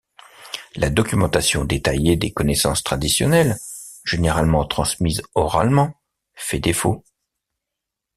La documentation détaillée des connaissances traditionnelles, généralement transmise oralement, fait défaut.